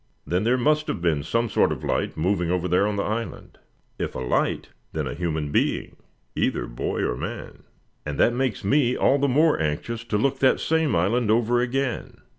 Then there must have been some sort of light moving over there on the island. If a light, then a human being, either boy or man. And that makes me all the more anxious to look that same island over again.